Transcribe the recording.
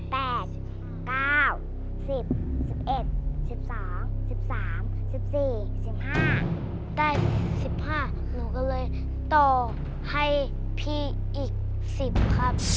แต่๑๕หนูก็เลยต่อให้พี่อีก๑๐ครับ